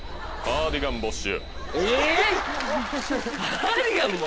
カーディガンも？